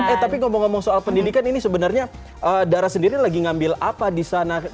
eh tapi ngomong ngomong soal pendidikan ini sebenarnya dara sendiri lagi ngambil apa di sana